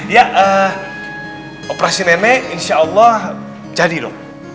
ya operasi nenek insya allah jadi loh